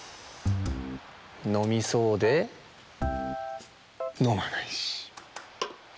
のみそうでのまないし。